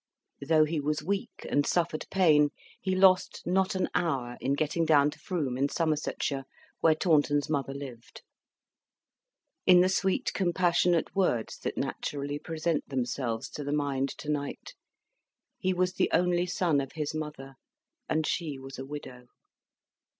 Though he was weak and suffered pain, he lost not an hour in getting down to Frome in Somersetshire, where Taunton's mother lived. In the sweet, compassionate words that naturally present themselves to the mind to night, "he was the only son of his mother, and she was a widow."